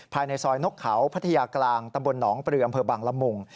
ภายในซอยนกเขาพัทยากลางตำบลหนองปลืออำเภอบังละมุง